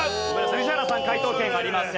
宇治原さん解答権ありません。